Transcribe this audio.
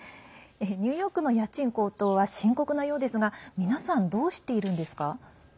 ニューヨークの家賃高騰は深刻なようですが皆さん、どうしているんですか？